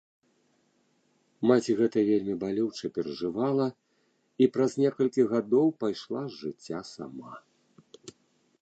Маці гэта вельмі балюча перажывала і праз некалькі гадоў пайшла з жыцця сама.